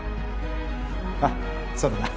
ああそうだな。